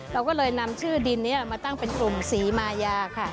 เราก็เลยนำชื่อดินนี้มาตั้งเป็นกลุ่มศรีมายาค่ะ